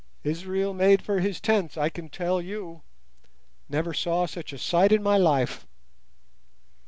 Israel made for his tents, I can tell you—never saw such a sight in my life."